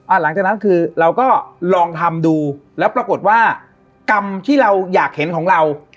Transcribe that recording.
หลังจากนั้นคือเราก็ลองทำดูแล้วปรากฏว่ากรรมที่เราอยากเห็นของเรา